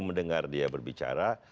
mendengar dia berbicara